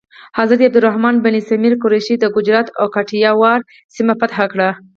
حضرت عبدالرحمن بن سمره قریشي د ګجرات او کاټیاواړ سیمه فتح کړه.